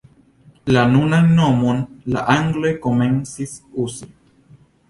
La nunan nomon la angloj komencis uzi.